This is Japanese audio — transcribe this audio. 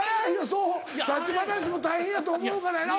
そう立ち話も大変やと思うからやな。